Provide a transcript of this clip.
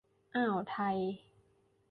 อ่าวไทย